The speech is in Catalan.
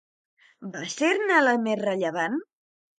Va ser-ne la més rellevant?